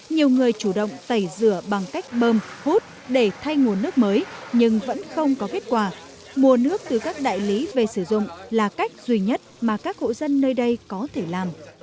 nhiều người chủ động tẩy rửa bằng cách bơm hút để thay nguồn nước mới nhưng vẫn không có kết quả mùa nước từ các đại lý về sử dụng là cách duy nhất mà các hộ dân nơi đây có thể làm